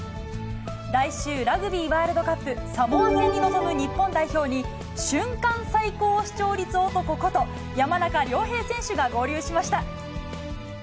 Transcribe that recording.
来週、ラグビーワールドカップ、サモア戦に臨む日本代表に、瞬間最高視聴率男こと、山中亮平選手が合流しました。